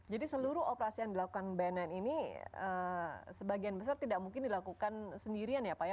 jadi seluruh operasi yang dilakukan bnn ini sebagian besar tidak mungkin dilakukan sendirian ya pak